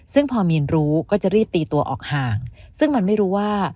ซึ่งพอมีนรู้ก็จะรีบตีตัวออกห่างซึ่งมันไม่รู้ว่า